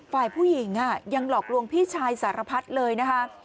ฝ่ายผู้หญิงยังหลอกลวงพี่ชายสารพัดเลยนะคะ